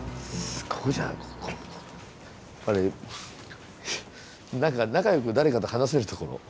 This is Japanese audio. やっぱり何か仲良く誰かと話せるところ。